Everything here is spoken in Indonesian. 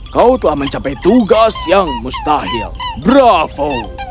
kau telah mencapai tugas yang mustahil bravo